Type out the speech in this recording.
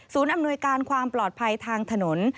อำนวยการความปลอดภัยทางถนน